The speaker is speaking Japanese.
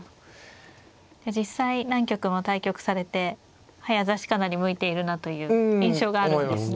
実際何局も対局されて早指しかなり向いているなという印象があるんですね。